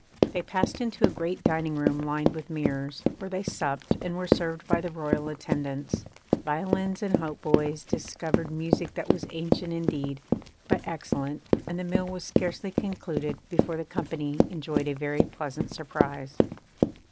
They passed into a great dining room lined with mirrors, where they supped and were served by the royal attendants. Violins and hautboys discoursed music that was ancient indeed, but excellent, and the meal was scarcely concluded before the company enjoyed a very pleasant surprise.